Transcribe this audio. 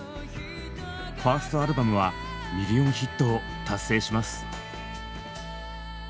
ファーストアルバムはミリオンヒットを達成します。